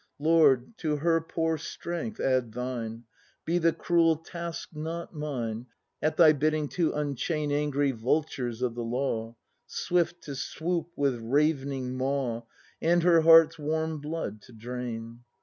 Lord, to her poor strength add Thine; — Be the cruel task not mine At Thy bidding to unchain Angry vultures of the Law, Swift to swoop with ravening maw. And her heart's warm blood to drain!